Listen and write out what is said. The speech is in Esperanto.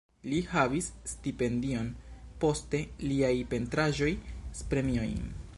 Li havis stipendion, poste liaj pentraĵoj premiojn.